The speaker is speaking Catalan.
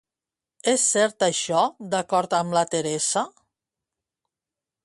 És cert això d'acord amb la Teresa?